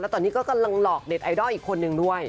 ตอนนี้ก็กำลังหลอกเน็ตไอดอลอีกคนนึงด้วย